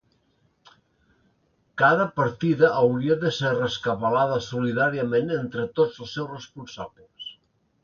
Cada partida hauria de ser rescabalada solidàriament entre tots els seus responsables.